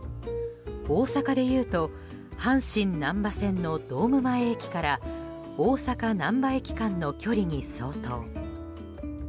大阪でいうと阪神なんば線のドーム前駅から大阪難波駅間の距離に相当。